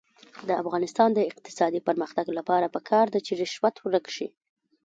د افغانستان د اقتصادي پرمختګ لپاره پکار ده چې رشوت ورک شي.